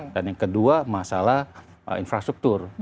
dan yang kedua masalah infrastruktur